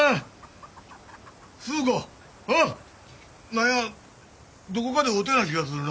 何やどこかで会うたような気がするな。